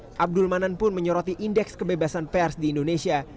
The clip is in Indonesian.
abdul manan pun menyoroti indeks kebebasan pers di indonesia